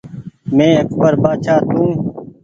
مينٚ اڪبر بآڇآ تونٚ